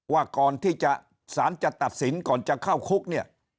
ว่าก่อนที่สารจะตัดสินก่อนจะเข้าคุกเนี่ย